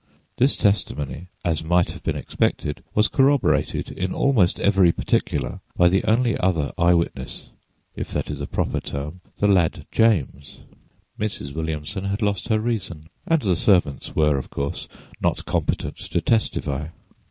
This testimony, as might have been expected, was corroborated in almost every particular by the only other eye witness (if that is a proper term)—the lad James. Mrs. Williamson had lost her reason and the servants were, of course, not competent to testify.